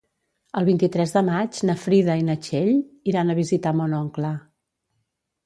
El vint-i-tres de maig na Frida i na Txell iran a visitar mon oncle.